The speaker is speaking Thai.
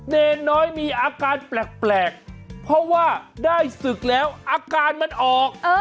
เนรน้อยมีอาการแปลกเพราะว่าได้ศึกแล้วอาการมันออก